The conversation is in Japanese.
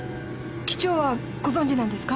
機長はご存じなんですか？